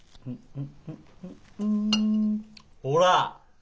ほら。